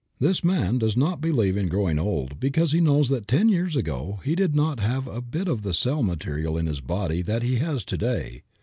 This man does not believe in growing old because he knows that ten years ago he did not have a bit of the cell material in his body that he has to day.